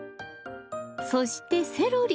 そしてセロリ。